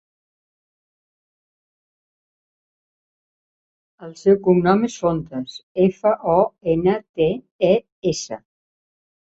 El seu cognom és Fontes: efa, o, ena, te, e, essa.